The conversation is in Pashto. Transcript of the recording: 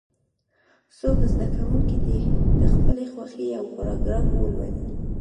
څو زده کوونکي دې د خپلې خوښې یو پاراګراف ولولي.